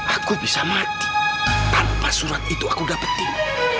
aku bisa mati tanpa surat itu aku dapetin